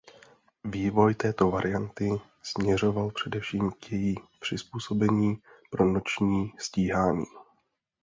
Vývoj této varianty směřoval především k její přizpůsobení pro noční stíhání.